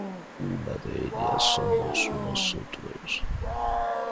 una de ellas somos nosotros.